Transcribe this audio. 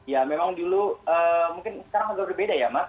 ya memang dulu mungkin sekarang agak berbeda ya mas